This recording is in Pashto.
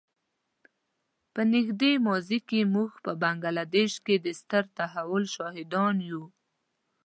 په نږدې ماضي کې موږ په بنګله دېش کې د ستر تحول شاهدان یو.